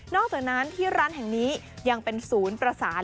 อกจากนั้นที่ร้านแห่งนี้ยังเป็นศูนย์ประสาน